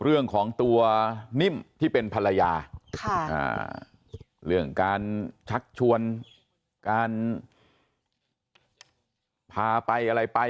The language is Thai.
เรื่องของตัวนิ่มที่เป็นภรรยาเรื่องการชักชวนการพาไปอะไรไป